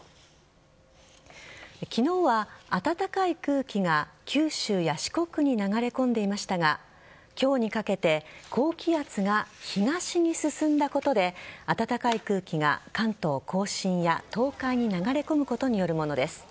昨日は暖かい空気が九州や四国に流れ込んでいましたが今日にかけて高気圧が東に進んだことで暖かい空気が関東甲信や東海に流れ込むことによるものです。